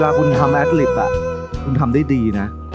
เวลาคุณทำแอตลิปอ่ะคุณทำได้ดีนะ